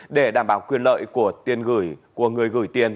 để đảm bảo quyền lợi của người gửi tiền